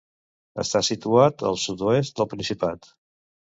Està situat al sud-oest del Principat.